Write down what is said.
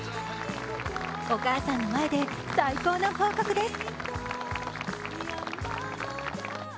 お母さんの前で最高の報告です。